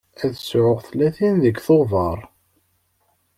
Ad sɛuɣ tlatin deg Tubeṛ.